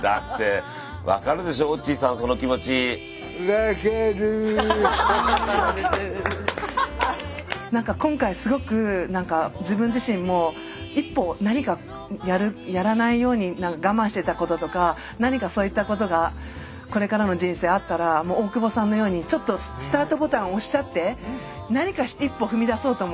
だってなんか今回すごく自分自身も一歩何かやらないように我慢してたこととか何かそういったことがこれからの人生あったら大久保さんのようにちょっとスタートボタン押しちゃって何か一歩踏み出そうと思います。